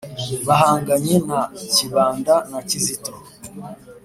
bahanganye na kibanda na kizito